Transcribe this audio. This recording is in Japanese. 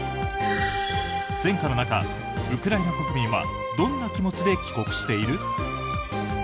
戦渦の中、ウクライナ国民はどんな気持ちで帰国している？